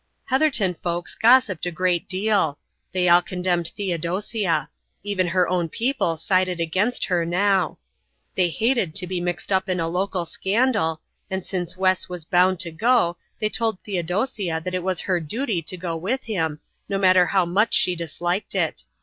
Heatherton folks gossiped a great deal. They all condemned Theodosia. Even her own people sided against her now. They hated to be mixed up in a local scandal, and since Wes was bound to go they told Theodosia that it was her duty to go with him, no matter how much she disliked it.